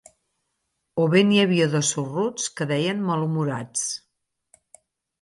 O bé n'hi havia de sorruts que deien malhumorats: